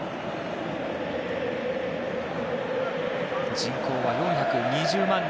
人口は４２０万人。